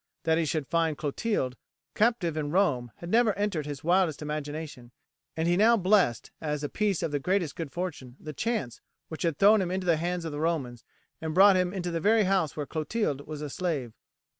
That he should find Clotilde captive in Rome had never entered his wildest imagination, and he now blessed, as a piece of the greatest good fortune, the chance, which had thrown him into the hands of the Romans, and brought him into the very house where Clotilde was a slave.